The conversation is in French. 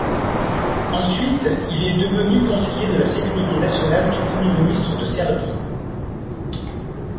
Ensuite, il est devenu conseiller de la sécurité nationale du Premier ministre de Serbie.